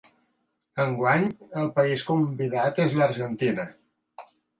Enguany, el país convidat és l’Argentina.